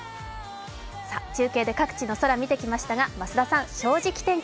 中継で各地の空、見てきましたが増田さん「正直天気」